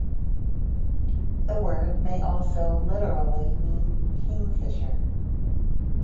The word may also literally mean "kingfisher".